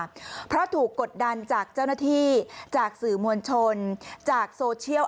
เพราะถูกกดดันจากเจ้าหน้าที่จากสื่อมวลชนจากโซเชียล